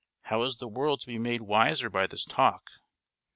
how is the world to be made wiser by this talk?"